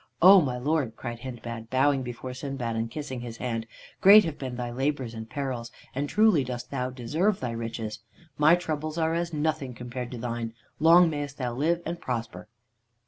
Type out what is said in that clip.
"O my lord," cried Hindbad, bowing before Sindbad, and kissing his hand, "great have been thy labors and perils, and truly dost thou deserve thy riches. My troubles are as nothing compared to thine. Long mayest thou live and prosper!"